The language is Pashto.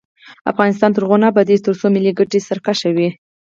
افغانستان تر هغو نه ابادیږي، ترڅو ملي ګټې سر کرښه وي.